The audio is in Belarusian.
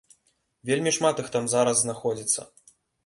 Вельмі шмат іх там зараз знаходзіцца.